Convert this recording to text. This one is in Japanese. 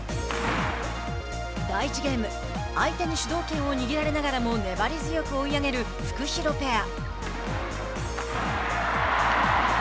第１ゲーム相手に主導権を握られながらも粘り強く追い上げるフクヒロペア。